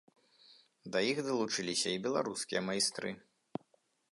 Да іх далучыліся і беларускія майстры.